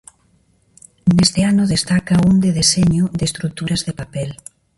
Neste ano destaca un de deseño de estruturas de papel.